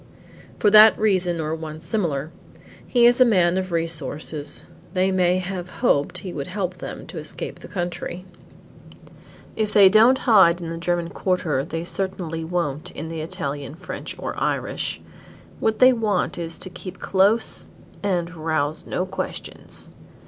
"For that reason or one similar. He is a man of resources, they may have hoped he would help them to escape the country." "If they don't hide in the German quarter they certainly won't in the Italian, French or Irish. What they want is too keep close and rouse no questions.